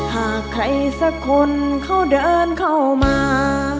หากใครสักคนเขาเดินเข้ามา